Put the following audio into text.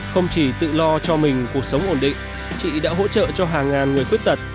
không chỉ tự lo cho mình cuộc sống ổn định chị đã hỗ trợ cho hàng ngàn người khuyết tật